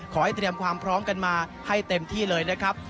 ขอให้เตรียมความพร้อมกันมาให้เต็มที่เลยนะครับ